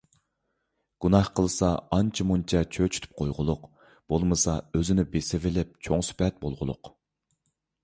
گۇناھ قىلسا ئانچە-مۇنچە چۆچۈتۈپ قويغۇلۇق، بولمىسا ئۆزىنى بېسىۋېلىپ چوڭ سۈپەت بولغۇلۇق!